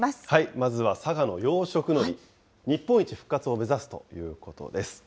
まずは佐賀の養殖のり、日本一復活を目指すということです。